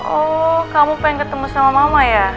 oh kamu pengen ketemu sama mama ya